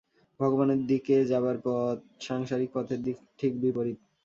ভগবানের দিকে যাবার পথ সাংসারিক পথের ঠিক বিপরীত।